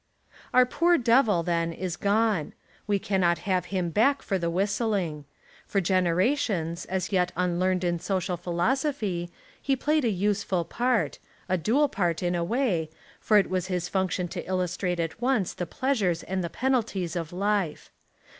Our poor Devil then is gone. We cannot have him back for the whistling. For genera tions, as yet unlearned in social philosophy, he played a useful part — a dual part in a way, for it was his function to illustrate at once the pleasures and the penalties of life.